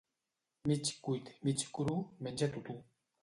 Mig cuit, mig cru, menja-t'ho tu.